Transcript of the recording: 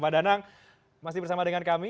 pak danang masih bersama dengan kami